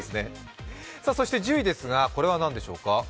そして１０位ですが、これは何でしょうか？